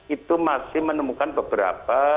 itu masih menemukan beberapa